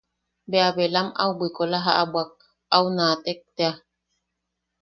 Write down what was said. Bea belam au bwikola jabwak au naatek tea.